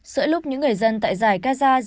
sựa lúc những người dân tại giải gaza